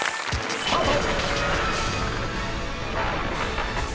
スタート！］